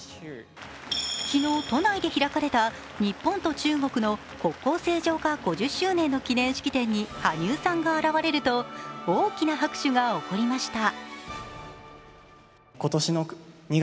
昨日、都内で開かれた日本と中国の国交正常化５０周年の記念式典に羽生さんが現れると大きな拍手が起こりました。